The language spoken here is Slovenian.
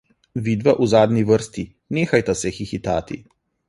Vidva v zadnji vrsti, nehajta se hihitati!